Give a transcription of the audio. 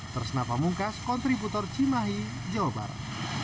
tersenapa mungkas kontributor cimahi jawa barat